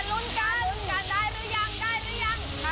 สุดท้ายค่ะสุดท้ายค่ะ